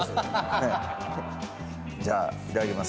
じゃあいただきます。